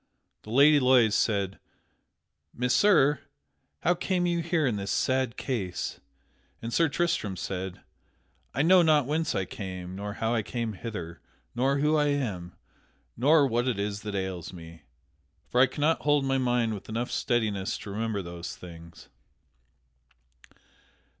The Lady Loise said, "Messire, how came you here in this sad case?" And Sir Tristram said: "I know not whence I came, nor how I came hither, nor who I am, nor what it is that ails me, for I cannot hold my mind with enough steadiness to remember those things."